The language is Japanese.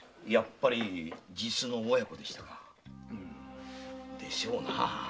やっぱり実の親子でしたか。でしょうなぁ。